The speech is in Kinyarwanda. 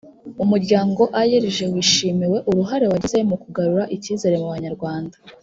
umuryango aerg washimiwe uruhare wagize mu kugarura icyizere mu banyarwanda